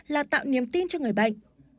là tạo niềm tin cho người bệnh